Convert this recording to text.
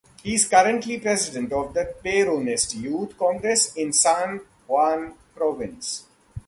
He is currently president of the Peronist Youth Congress in San Juan Province.